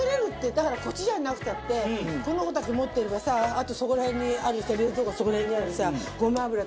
だからコチュジャンなくたってこの子だけ持ってればさあとそこら辺にある冷蔵庫とかそこら辺にあるさ。